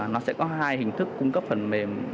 nó sẽ có hai hình thức cung cấp phần mềm